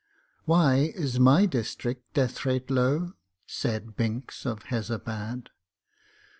"Why is my District death rate low?" Said Binks of Hezabad.